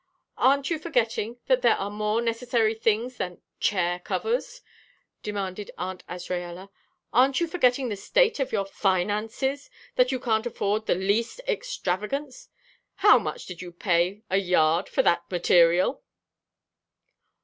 "Aren't you forgetting that there are more necessary things than chair covers?" demanded Aunt Azraella. "Aren't you forgetting the state of your finances, and that you can't afford the least extravagance? How much did you pay a yard for that material?"